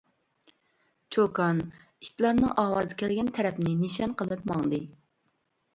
چوكان ئىتلارنىڭ ئاۋازى كەلگەن تەرەپنى نىشان قىلىپ ماڭدى.